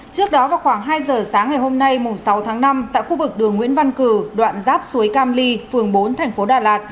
trước đó vào khoảng hai giờ sáng ngày hôm nay sáu tháng năm tại khu vực đường nguyễn văn cử đoạn giáp suối cam ly phường bốn thành phố đà lạt